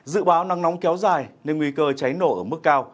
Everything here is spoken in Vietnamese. dự báo nắng nóng kéo dài nên nguy cơ cháy nổ ở mức cao